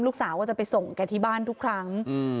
ลูกสาวก็จะไปส่งแกที่บ้านทุกครั้ง